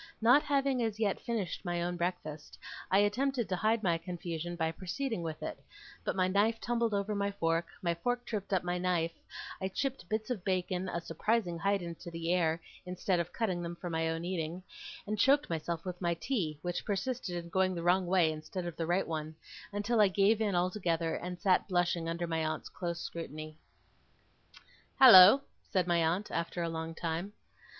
Not having as yet finished my own breakfast, I attempted to hide my confusion by proceeding with it; but my knife tumbled over my fork, my fork tripped up my knife, I chipped bits of bacon a surprising height into the air instead of cutting them for my own eating, and choked myself with my tea, which persisted in going the wrong way instead of the right one, until I gave in altogether, and sat blushing under my aunt's close scrutiny. 'Hallo!' said my aunt, after a long time.